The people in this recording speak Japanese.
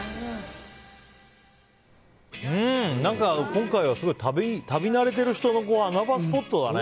何か、今回はすごい旅慣れてる人の穴場スポットだね。